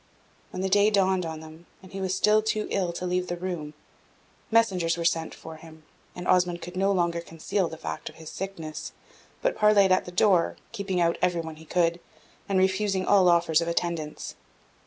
When the day dawned on them, and he was still too ill to leave the room, messengers were sent for him, and Osmond could no longer conceal the fact of his sickness, but parleyed at the door, keeping out every one he could, and refusing all offers of attendance.